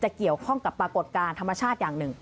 เกี่ยวข้องกับปรากฏการณ์ธรรมชาติอย่างหนึ่ง